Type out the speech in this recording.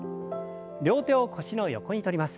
両手を腰の横にとります。